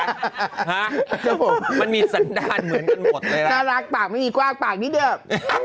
ฮะมันมีสันดาลเหมือนกันหมดเลยนะครับถ้ารักปากมันมีกว้างปากนี้เดิม